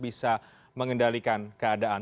bisa mengendalikan keadaan